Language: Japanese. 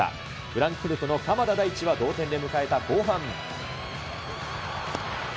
フランクフルトの鎌田大地は同点で迎えた後半。